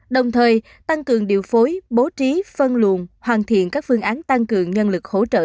đồng thời tăng cường điều phối bố trí phân luồn hoàn thiện các phương án tăng cường nhân lực hỗ trợ